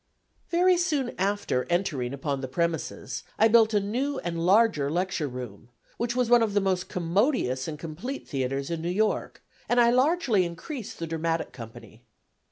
Very soon after entering upon the premises, I built a new and larger lecture room, which was one of the most commodious and complete theatres in New York, and I largely increased the dramatic company.